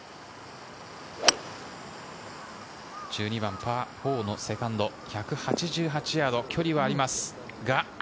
１２番、パー４のセカンド、１８８ヤード、距離はあります。